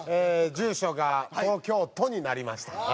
住所が東京都になりました。